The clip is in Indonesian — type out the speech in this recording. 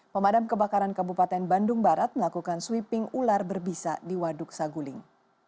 pemadam kebakaran kabupaten bandung barat melakukan sweeping ular berbisa di waduk saguling